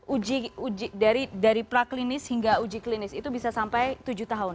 uji dari praklinis hingga uji klinis itu bisa sampai tujuh tahun